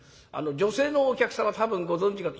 女性のお客様多分ご存じかと。